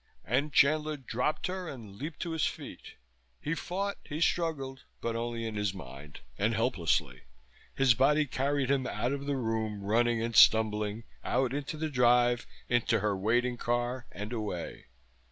And Chandler dropped her and leaped to his feet. He fought. He struggled; but only in his mind, and helplessly; his body carried him out of the room, running and stumbling, out into the drive, into her waiting car and away.